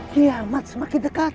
kiamat semakin dekat